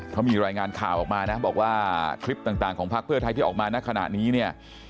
เขามีรายงานข่าวออกมานะบอกว่าคลิปต่างของพักเพื่อไทยที่ออกมาณขณะนี้เนี่ย